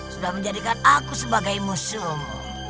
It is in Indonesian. sudah menjadikan aku sebagai museum